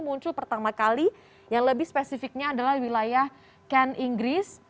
muncul pertama kali yang lebih spesifiknya adalah wilayah ken inggris